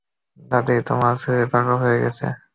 দাদী, তোমার ছেলে পাগল হয়ে গেছে।